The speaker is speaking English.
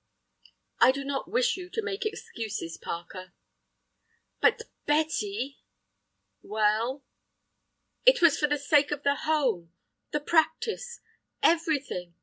"I do not wish you to make excuses, Parker." "But, Betty—" "Well?" "It was for the sake of the home, the practice, everything.